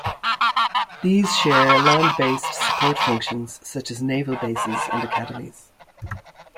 These share land-based support functions, such as naval bases and academies.